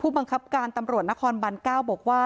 บังคับการตำรวจนครบัน๙บอกว่า